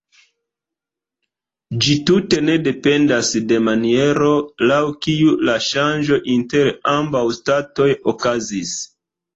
Ĝi tute ne dependas de maniero, laŭ kiu la ŝanĝo inter ambaŭ statoj okazis.